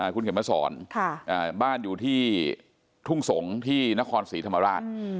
คุณเข็มมาสอนบ้านอยู่ที่ทุ่งสงศ์ที่นครศรีธรรมราช